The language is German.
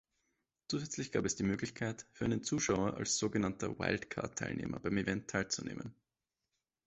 Zusätzlich gab es die Möglichkeit für einen Zuschauer als sogenannter "Wildcard-Teilnehmer" beim Event teilzunehmen.